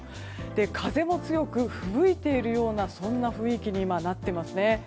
風も強く、ふぶいているようなそんな雰囲気になっていますね。